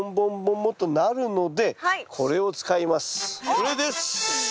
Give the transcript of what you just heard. これです！